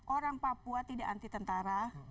orang papua tidak anti tentara